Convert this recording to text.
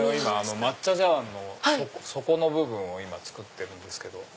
抹茶茶わんの底の部分を今作ってるんです。